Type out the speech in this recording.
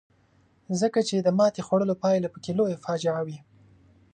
ځکه چې د ماتې خوړلو پایله پکې لویه فاجعه وي.